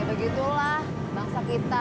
ya begitulah bangsa kita